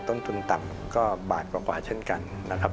ต้นทุนต่ำก็บาทกว่าเกือบกว่าเช่นกัน